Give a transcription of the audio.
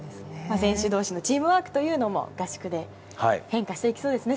選手同士のチームワークというのも合宿で更に変化していきそうですね。